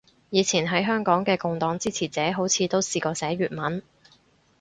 以前喺香港嘅共黨支持者好似都試過寫粵文